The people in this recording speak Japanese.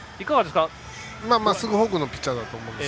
まっすぐ、フォークのピッチャーだと思います。